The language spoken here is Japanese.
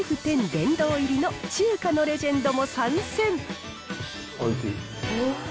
殿堂入りの中華のレジェンドも参おいしい。